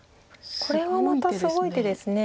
これはまたすごい手です。